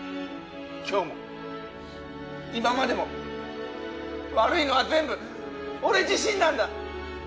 今日も今までも悪いのは全部俺自身なんだ！